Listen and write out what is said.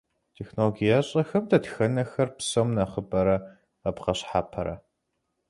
Технологиещӏэхэм дэтхэнэхэр псом нэхъыбэрэ къэбгъэщхьэпэрэ?